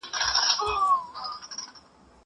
زه سبزېجات نه وچوم!